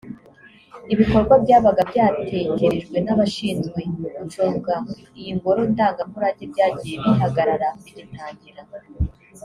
Ibikorwa byabaga byatekerejwe n’abashinzwe gucunga iyi ngoro ndangamurage byagiye bihagarara bigitangira